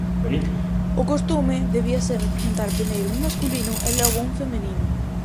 O costume debía ser representar primeiro un masculino e logo un feminino.